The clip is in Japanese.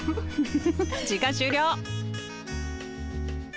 時間終了！